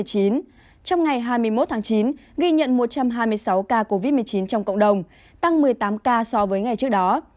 trong ngày hai mươi một tháng chín ghi nhận một trăm hai mươi sáu ca covid một mươi chín trong cộng đồng tăng một mươi tám ca so với ngày trước đó